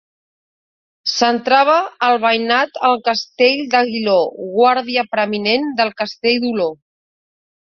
Centrava el veïnat el Castell d'Aguiló, guàrdia preeminent del Castell d'Oló.